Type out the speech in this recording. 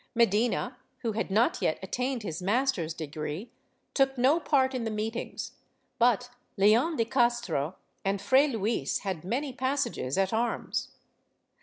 Medina, who had not yet attained his master's degree, took no part in the meetings, but Leon de Castro and Fray Luis had many passages at arms.